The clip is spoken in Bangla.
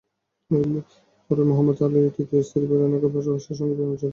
এরপরই মোহাম্মদ আলী তৃতীয় স্ত্রী ভেরোনিকা পোরশের সঙ্গে প্রেমে জড়িয়ে পড়েন।